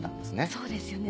そうですよね。